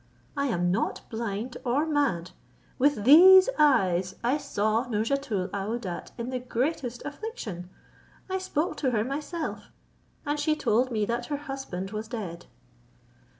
I am not blind or mad. With these eyes I saw Nouzhatoul aouadat in the greatest affliction; I spoke to her myself, and she told me that her husband was dead."